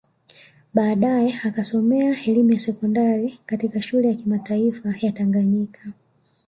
Baadae akasomea elimu ya sekondari katika Shule ya Kimataifa ya Tanganyika